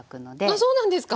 あっそうなんですか！